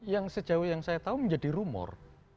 yang sejauh yang saya tahu menjadi rumor